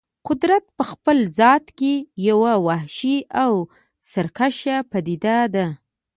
قدرت په خپل ذات کې یوه وحشي او سرکشه پدیده ده.